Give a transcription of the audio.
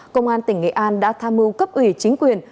công an tỉnh nghệ an đã tham mưu cấp ủy chính quyền